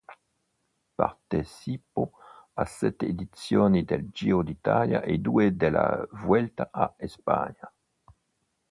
Partecipò a sette edizioni del Giro d'Italia e due della Vuelta a España.